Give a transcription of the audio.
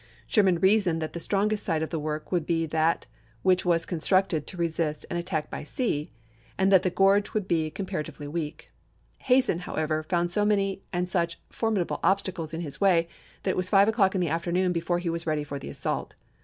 Sher man reasoned that the strongest side of the work would be that which was constructed to resist an THE MAKCH TO THE SEA 489 attack by sea, and that the gorge would be com chap.xx. paratively weak. Hazen, however, found so mauy and such formidable obstacles in his way, that it was five o'clock in the afternoon before he was Dec.i3,i864. ready for the assault.